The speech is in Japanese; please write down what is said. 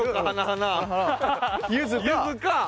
ゆずか。